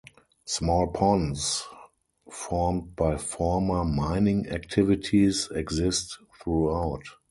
Small ponds formed by former mining activities exist throughout.